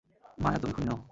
মায়া, তুমি খুনী নও।